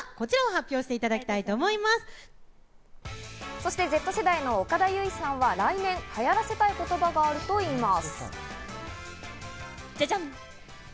そしてＺ世代の岡田結実さんは来年、はやらせたい言葉があるといいます。